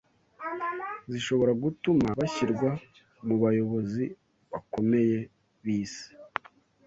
zishobora gutuma bashyirwa mu bayobozi bakomeye b’isi